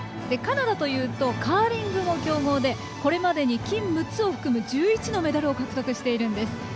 カナダというとカーリングも強豪でこれまでに金６つを含む１１のメダルを獲得しているんです。